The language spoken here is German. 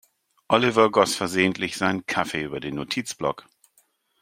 Oliver goss versehentlich seinen Kaffee über den Notizblock.